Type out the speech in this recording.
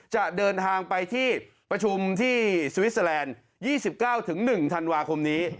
จะเดินทางไปที่ประชุมที่สวิสเตอร์แลนด์๒๙๑ธันวาคมนี้